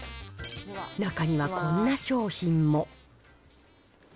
中にはこんな商品も。